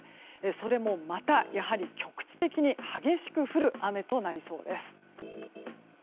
それもまた、やはり局地的に激しく降る雨となりそうです。